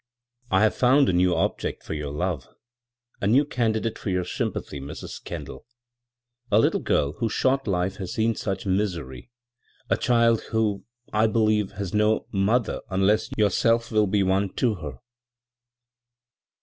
" I have found a new object for your love, a new candidate for your sympathy, Mrs. Kendall — a little giri whose short life has seen much misery ; a child who, I believe, has no mother unless you yourself will be one to her.